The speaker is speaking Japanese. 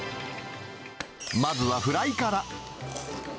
まずはフライから。